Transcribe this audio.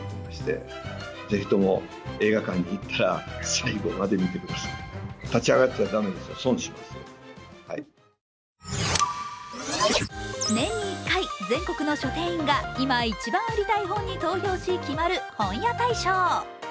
一番の見どころは年に１回全国の書店員が今、一番売りたい本に投票し決まる、本屋大賞。